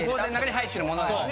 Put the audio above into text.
入ってるものです。